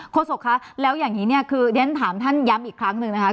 โศกคะแล้วอย่างนี้เนี่ยคือเรียนถามท่านย้ำอีกครั้งหนึ่งนะคะ